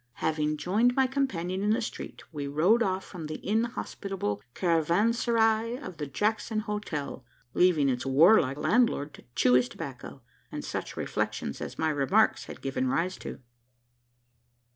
Having joined my companion in the street, we rode off from the inhospitable caravanserai of the Jackson Hotel leaving its warlike landlord to chew his tobacco, and such reflections as my remarks had given rise to.